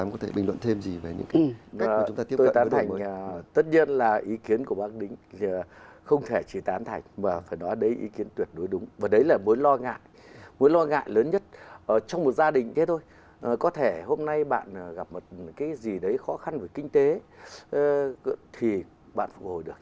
có thể hôm nay bạn gặp một cái gì đấy khó khăn với kinh tế thì bạn phục hồi được